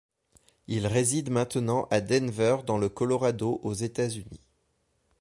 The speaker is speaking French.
Il réside maintenant à Denver dans le Colorado aux États-Unis.